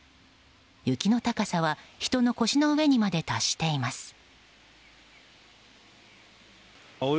雪の高さは人の腰の上にまで達しています。